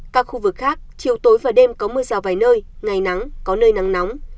các khu vực khác chiều tối và đêm có mưa rào vài nơi ngày nắng có nơi nắng nóng